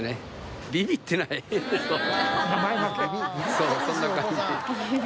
そうそんな感じ。